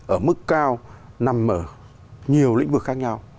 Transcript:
ở mức cao nằm ở nhiều lĩnh vực khác nhau